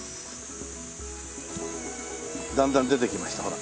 だんだん出てきましたほら。